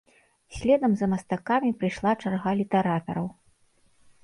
Следам за мастакамі прыйшла чарга літаратараў.